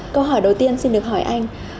câu hỏi đầu tiên xin được hỏi là